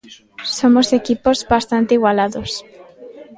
Somos equipos bastante igualados.